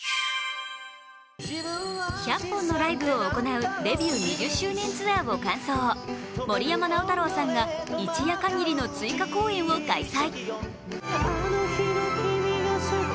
１００本のライブを行うデビュー２０周年ツアーを完走、森山直太朗さんが一夜かぎりの追加公演を開催